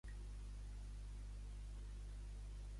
Per què pronuncieu "mon oncle" com si fos francès?